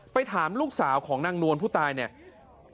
ถามลูกสาวของนางนวลผู้ตายเนี่ย